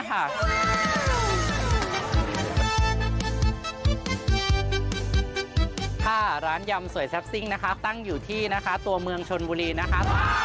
ถ้าร้านยำสวยแซ่บซิ่งนะคะตั้งอยู่ที่นะคะตัวเมืองชนบุรีนะครับ